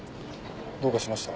どうかしました？